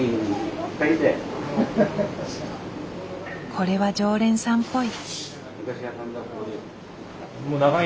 これは常連さんっぽい。